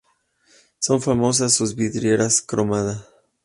Son famosas sus vidrieras cromadas.